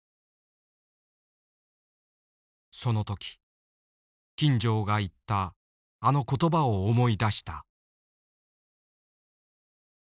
その時金城が言ったあの言葉を思い出した。